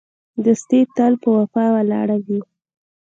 دوستي تل په وفا ولاړه وي.